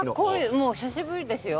久しぶりですよ。